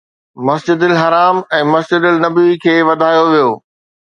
مسجد حرام ۽ مسجد نبوي کي وڌايو ويو